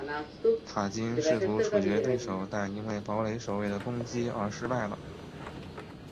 塔金试图处决对手但因为堡垒守卫的攻击而失败了。